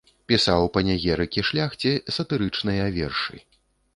Пісаў панегірыкі шляхце, сатырычныя вершы.